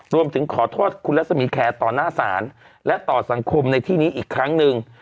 รวมถึงขอโทษคุณรัศมีแคร์ต่อหน้าศาลและต่อสังคมในที่นี้อีกครั้งหนึ่ง